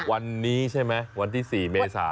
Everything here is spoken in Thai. วันนี้ใช่ไหมวันที่๔เมษา